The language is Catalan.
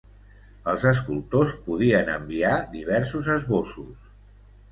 Els escultors podien enviar diversos esbossos.